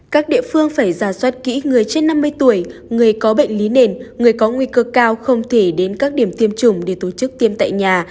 các địa phương phải ra soát kỹ người trên năm mươi tuổi người có bệnh lý nền người có nguy cơ cao không thể đến các điểm tiêm chủng để tổ chức tiêm tại nhà